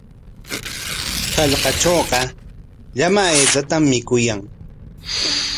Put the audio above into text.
Hallqatrawqa llama aychatam mikuyan.